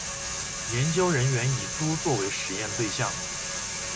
研究人员以猪作为实验对象